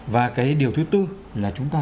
và cái điều thứ tư là chúng ta